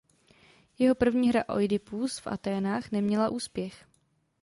Jeho první hra "Oidipus v Aténách" neměla úspěch.